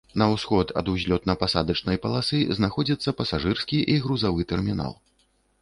На ўсход ад узлётна-пасадачнай паласы знаходзіцца пасажырскі і грузавы тэрмінал.